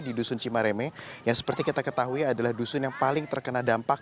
di dusun cimareme yang seperti kita ketahui adalah dusun yang paling terkena dampak